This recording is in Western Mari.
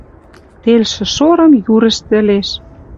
Телшӹ шорым юр ӹштӹлеш —